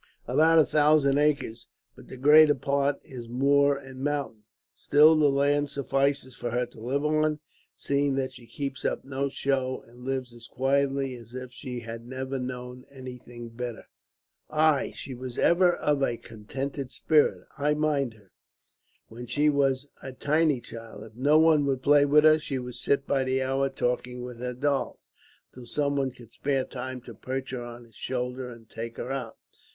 "About a thousand acres, but the greater part is moor and mountain. Still, the land suffices for her to live on, seeing that she keeps up no show, and lives as quietly as if she had never known anything better." "Aye, she was ever of a contented spirit. I mind her, when she was a tiny child; if no one would play with her, she would sit by the hour talking with her dolls, till someone could spare time to perch her on his shoulder, and take her out."